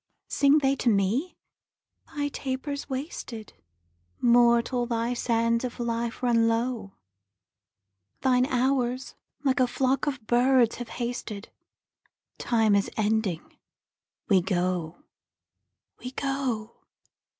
Sing they to me? 'Thy taper's wasted; Mortal, thy sands of life run low; Thine hours like a flock of birds have hasted: Time is ending; we go, we go.'